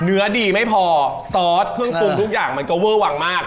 เนื้อดีไม่พอซอสเครื่องปรุงทุกอย่างมันก็เวอร์วังมาก